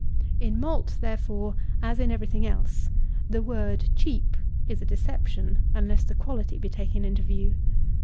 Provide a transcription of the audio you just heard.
In malt, therefore, as in every thing else, the word cheap is a deception, unless the quality be taken into view.